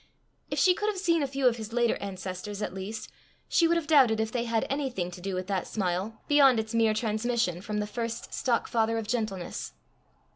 If she could have seen a few of his later ancestors at least, she would have doubted if they had anything to do with that smile beyond its mere transmission from "the first stock father of gentleness."